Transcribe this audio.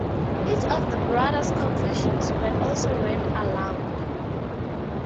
Each of the brothers' confessions were also read aloud.